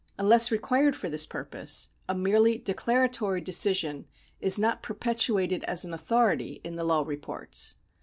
Unless required for this purpose, a merely declara tory decision is not perpetuated as an authority in the law reports.